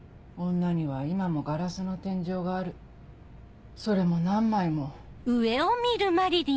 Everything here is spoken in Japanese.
女には今もガラスの天井があるそれも何枚も。